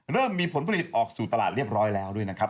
เริ่มมีผลผลิตออกสู่ตลาดเรียบร้อยแล้วด้วยนะครับ